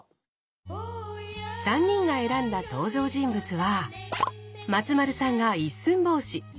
３人が選んだ登場人物は松丸さんが「一寸法師」